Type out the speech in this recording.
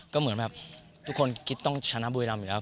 ก็เหมือนแบบทุกคนคิดต้องชนะบุรีรำอยู่แล้ว